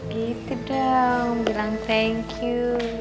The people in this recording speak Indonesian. gitu dong bilang thank you